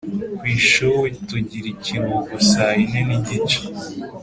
Kwishuei tugira ikiruko saa yine nigice